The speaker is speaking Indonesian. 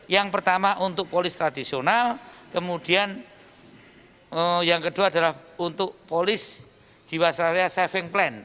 yang pertama untuk polis tradisional kemudian yang kedua adalah untuk polis jiwasraya saving plan